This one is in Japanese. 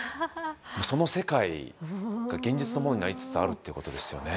その世界が現実のものになりつつあるということですよね。